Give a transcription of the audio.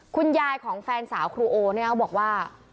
คุณยายของแฟนสาวครูโอเนี่ยเขาบอกว่า